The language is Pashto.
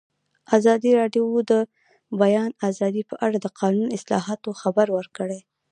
ازادي راډیو د د بیان آزادي په اړه د قانوني اصلاحاتو خبر ورکړی.